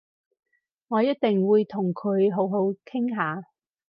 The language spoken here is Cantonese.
我一定會同佢好好傾下